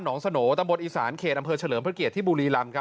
งสโหนตำบลอีสานเขตอำเภอเฉลิมพระเกียรติที่บุรีรำครับ